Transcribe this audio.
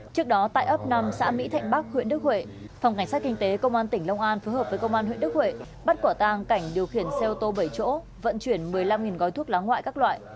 trước đó tại ấp năm xã mỹ thạnh bắc huyện đức huệ phòng cảnh sát kinh tế công an tỉnh long an phối hợp với công an huyện đức huệ bắt quả tàng cảnh điều khiển xe ô tô bảy chỗ vận chuyển một mươi năm gói thuốc lá ngoại các loại